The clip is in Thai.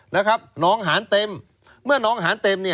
นะครับหนองหารเต็ม